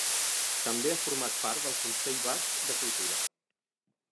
També ha format part del Consell Basc de Cultura.